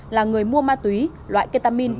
là người mua ma túy loại ketamin